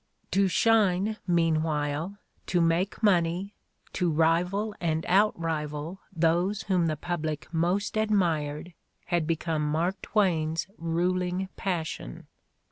To shine, meanwhile, to make money, to rival and outrival those whom the public most admired had be come Mark Twain's ruling passion.